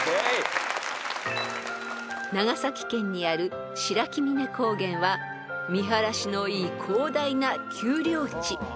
［長崎県にある白木峰高原は見晴らしのいい広大な丘陵地］